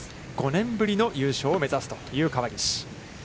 ５年ぶりの優勝を目指すという川岸。